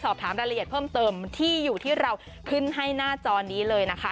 สอบถามรายละเอียดเพิ่มเติมที่อยู่ที่เราขึ้นให้หน้าจอนี้เลยนะคะ